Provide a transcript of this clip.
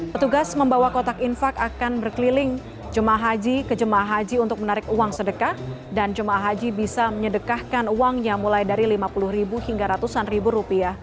petugas membawa kotak infak akan berkeliling jum'ah haji ke jum'ah haji untuk menarik uang sedekah dan jum'ah haji bisa menyedekahkan uangnya mulai dari rp lima puluh hingga rp seratus